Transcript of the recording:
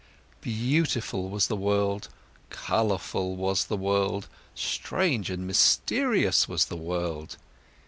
Beautiful was the world, colourful was the world, strange and mysterious was the world!